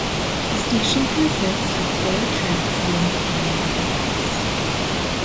The station consists of four tracks linked by an underpass.